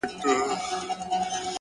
• زما سجده دي ستا د هيلو د جنت مخته وي ـ